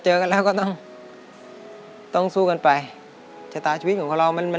เจอกันแล้วก็ต้องต้องสู้กันไปชาตาชีวิตของ